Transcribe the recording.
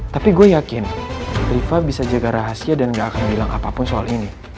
tapi gue yakin riva bisa jaga rahasia dan gak akan bilang apapun soal ini